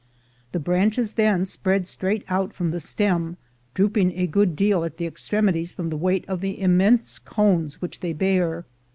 The branches then spread straight out from the stem, drooping a good deal at the extremities from the weight of the immense cones which they bear.